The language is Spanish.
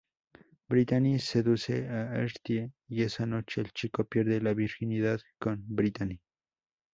Brittany seduce a Artie, y esa noche el chico pierde la virginidad con Brittany.